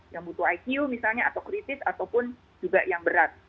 yang butuh icu misalnya atau kritis ataupun juga yang berat